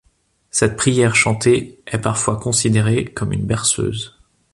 Cette prière chantée est parfois considérée comme une berceuse.